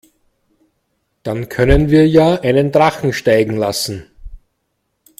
Dann können wir ja einen Drachen steigen lassen.